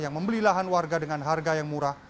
yang membeli lahan warga dengan harga yang murah